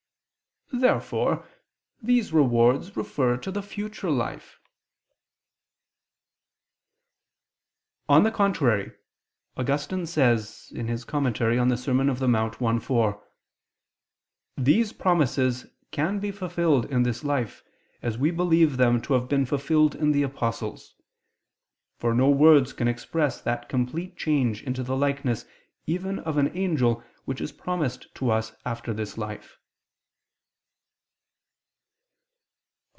Therefore these rewards refer to the future life. On the contrary, Augustine says (De Serm. Dom. in Monte i, 4): "These promises can be fulfilled in this life, as we believe them to have been fulfilled in the apostles. For no words can express that complete change into the likeness even of an angel, which is promised to us after this life."